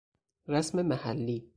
رسم محلی